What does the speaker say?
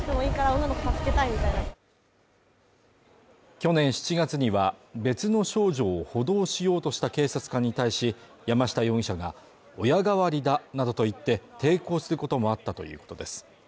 去年７月には、別の少女を補導しようとした警察官に対し、山下容疑者が親代わりだなどと言って抵抗することもあったということです。